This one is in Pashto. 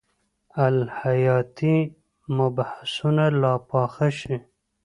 الهیاتي مبحثونه لا پاخه شي.